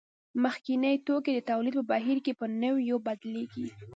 مخکیني توکي د تولید په بهیر کې په نویو بدلېږي